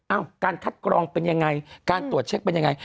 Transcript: การคัดกรองเป็นยังไงการตรวจเช็คเป็นยังไง